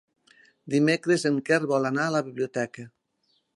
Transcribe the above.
Dimecres en Quer vol anar a la biblioteca.